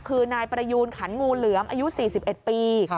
คือนายประยูนขันงูเหลือมอายุ๔๑ปี